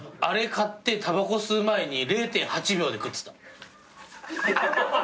あれ買ってたばこ吸う前に０．８秒で食ってた。